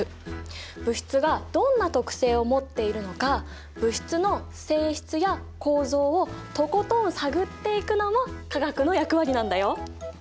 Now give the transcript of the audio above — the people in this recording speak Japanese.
物質がどんな特性を持っているのか物質の性質や構造をとことん探っていくのも化学の役割なんだよ。